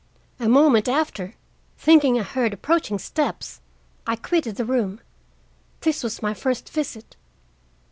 A moment after, thinking I heard approaching steps, I quitted the room. This was my first visit."